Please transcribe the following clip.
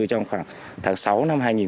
trong khoảng tháng sáu năm hai nghìn một mươi chín